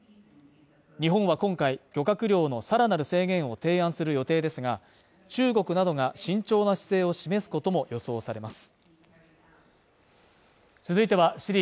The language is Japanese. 日本は今回、漁獲量のさらなる制限を提案する予定ですが、中国などが慎重な姿勢を示すことも予想されます。